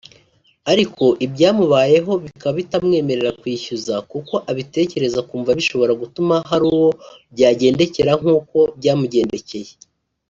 ariko ibyamubayeho bikaba bitamwemerera kwishyuza kuko abitekereza akumva bishobora gutuma hari uwo byagendekera nk’uko byamugendekeye